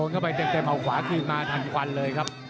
เข้าไปเต็มเอาขวาคืนมาทันควันเลยครับ